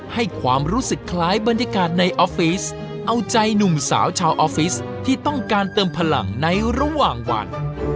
ให้ความรู้สึกคล้ายบรรยากาศในออฟฟิศเอาใจหนุ่มสาวชาวออฟฟิศที่ต้องการเติมพลังในระหว่างวัน